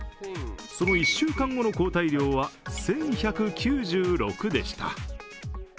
その１週間後の抗体量は１１９６でした。